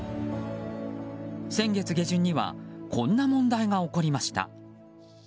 先月の終わりにはこんな問題が起きました。